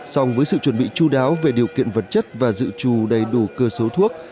song với sự chuẩn bị chú đáo về điều kiện vật chất và dự trù đầy đủ cơ số thuốc